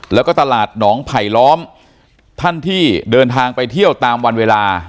แล้วก็ตลาดหนองไผลล้อมท่านที่เดินทางไปเที่ยวตามวันเวลา